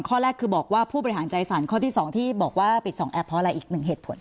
ข้อแรกคือบอกว่าผู้บริหารใจฝันข้อที่๒ที่บอกว่าปิด๒แอปเพราะอะไรอีกหนึ่งเหตุผล